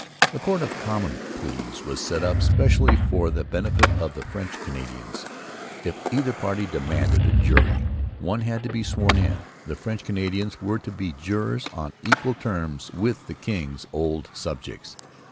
A Court of Common Pleas was set up specially for the benefit of the French Canadians. If either party demanded a jury one had to be sworn in; and French Canadians were to be jurors on equal terms with 'the King's Old Subjects.'